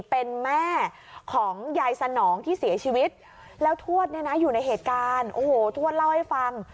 เป็นแม่ของยายสนองที่เสียชีวิตแล้วทวดเนี่ยนะอยู่ในเหตุการณ์โอ้โหทวดเล่าให้ฟัง